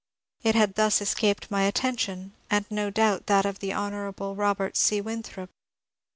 It had thus escaped my attention, and no doubt that of the Hon. Robert C. Winthrop.